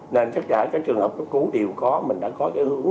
nên chắc chắn các trường hợp cấp cứu đều có mình đã có cái hướng